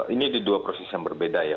ini di dua proses yang berbeda ya